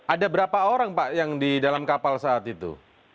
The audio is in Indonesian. ada berapa orang pak yang di dalam kapal saat itu